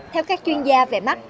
theo các chuyên gia về mắt